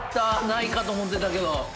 ないかと思ってたけど。